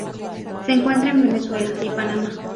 Se encuentra en Venezuela y Panamá.